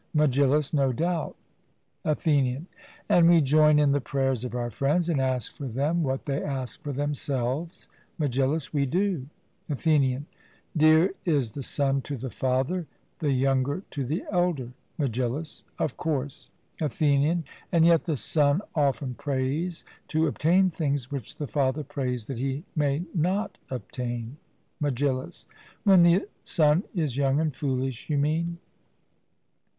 MEGILLUS: No doubt. ATHENIAN: And we join in the prayers of our friends, and ask for them what they ask for themselves. MEGILLUS: We do. ATHENIAN: Dear is the son to the father the younger to the elder. MEGILLUS: Of course. ATHENIAN: And yet the son often prays to obtain things which the father prays that he may not obtain. MEGILLUS: When the son is young and foolish, you mean?